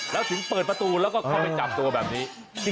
แล้วถึงเปิดประตูแล้วก็เข้าไปจับตัวแบบนี้